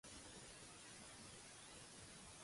Tenir molta merda al gec.